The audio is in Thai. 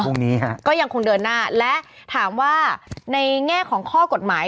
พรุ่งนี้ฮะก็ยังคงเดินหน้าและถามว่าในแง่ของข้อกฎหมาย